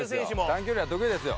短距離は得意ですよ。